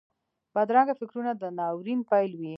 بدرنګه فکرونه د ناورین پیل وي